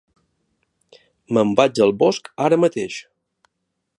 Me'n vaig al bosc ara mateix.